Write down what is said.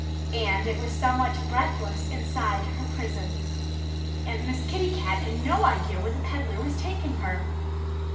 And it was somewhat breathless inside her prison. And Miss Kitty Cat had no idea where the peddler was taking her.